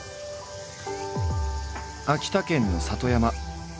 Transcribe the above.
秋田県の里山。